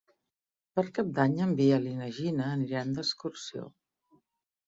Per Cap d'Any en Biel i na Gina aniran d'excursió.